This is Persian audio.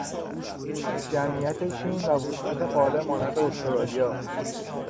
جمعیت چین و وسعت قاره مانند استرالیا